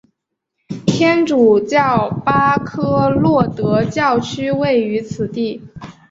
天主教巴科洛德教区位于此地。